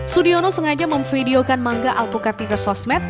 sudiono sengaja memvideokan mangga alpukat di sosmed